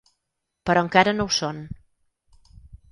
Però encara no ho són.